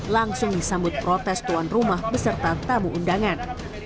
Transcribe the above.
langsung disambut protes tuan rumah beserta tamu undangan